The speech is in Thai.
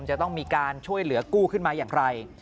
จะต้องมีการช่วยเหลือกู้ขึ้นมาอย่างไร